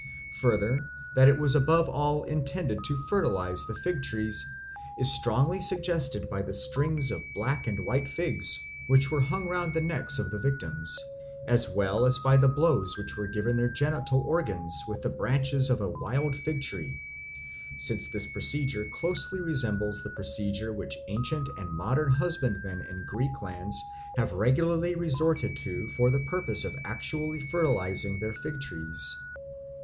Further, that it was above all intended to fertilise the fig trees is strongly suggested by the strings of black and white figs which were hung round the necks of the victims, as well as by the blows which were given their genital organs with the branches of a wild fig tree; since this procedure closely resembles the procedure which ancient and modern husbandmen in Greek lands have regularly resorted to for the purpose of actually fertilising their fig trees.